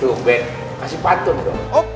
tuh be kasih patung dong